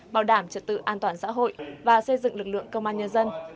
bảo đảm trật tự an toàn xã hội và xây dựng lực lượng công an nhân dân